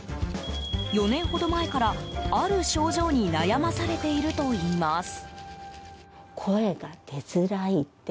４年ほど前から、ある症状に悩まされているといいます。